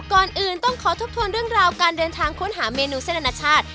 ก่อนอื่นต้องขอทบทวนเรื่องราวการเดินทางค้นหาเมนูเส้นอนาชาติ